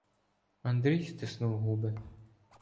Андрій стиснув губи.